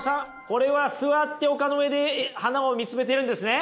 これは座って丘の上で花を見つめているんですね？